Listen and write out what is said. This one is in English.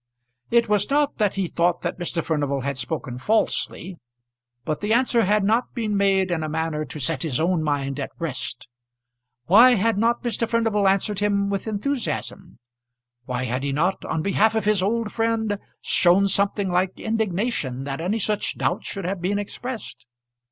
It was not that he thought that Mr. Furnival had spoken falsely, but the answer had not been made in a manner to set his own mind at rest. Why had not Mr. Furnival answered him with enthusiasm? Why had he not, on behalf of his old friend, shown something like indignation that any such doubt should have been expressed?